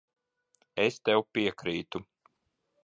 Es tev piekrītu.